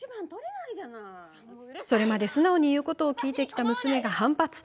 それまで素直に言うことを聞いてきた娘が反発。